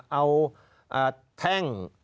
เอาแท่ง